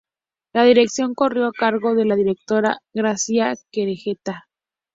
La dirección corrió a cargo de la directora Gracia Querejeta.